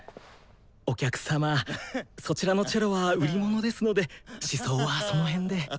お客様そちらのチェロは売り物ですので試奏はそのへんで。